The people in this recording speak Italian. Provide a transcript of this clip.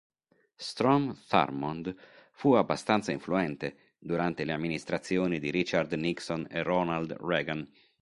Strom Thurmond fu abbastanza influente durante le amministrazioni di Richard Nixon e Ronald Reagan.